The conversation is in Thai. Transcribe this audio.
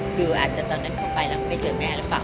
คืออาจจะตอนนั้นเข้าไปแล้วมันไม่เจอแม่รักป่าว